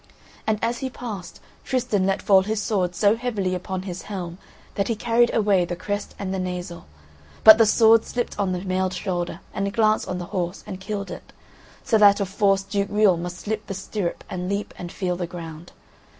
And as he passed, Tristan let fall his sword so heavily upon his helm that he carried away the crest and the nasal, but the sword slipped on the mailed shoulder, and glanced on the horse, and killed it, so that of force Duke Riol must slip the stirrup and leap and feel the ground.